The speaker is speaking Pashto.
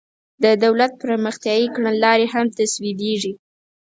د دولت پرمختیایي کړنلارې هم تصویبیږي.